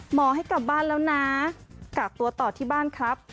ให้กลับบ้านแล้วนะกักตัวต่อที่บ้านครับ